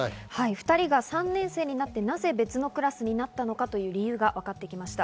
２人が３年生になって、なぜ別のクラスになったのかという理由が分かってきました。